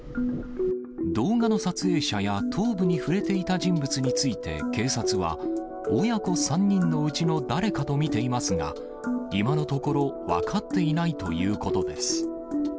動画の撮影者や、頭部に触れていた人物について、警察は、親子３人のうちの誰かと見ていますが、今のところ分かっていないということです。